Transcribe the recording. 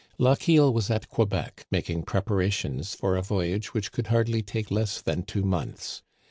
Lochiel was at Quebec, making preparations for a voyage which could hardly take less than two months.